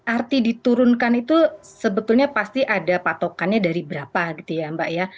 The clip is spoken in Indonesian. arti diturunkan itu sebetulnya pasti ada patokannya dari berapa gitu ya mbak ya